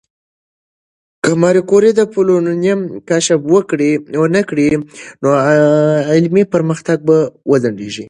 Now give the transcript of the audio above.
که ماري کوري د پولونیم کشف ونکړي، نو علمي پرمختګ به وځنډېږي.